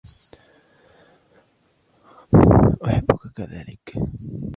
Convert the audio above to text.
أحبك كذلك.